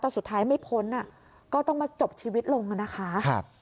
แต่สุดท้ายไม่พ้นอ่ะก็ต้องมาจบชีวิตลงอ่ะนะคะ